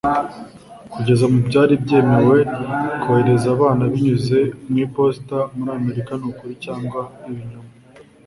Kugeza mu byari byemewe kohereza abana binyuze mu iposita muri Amerika Nukuri cyangwa Ibinyoma